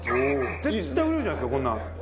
絶対売れるじゃないですかこんなん。